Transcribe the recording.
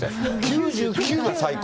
９９が最高。